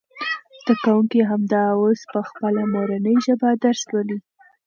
زده کوونکي همدا اوس په خپله مورنۍ ژبه درس لولي.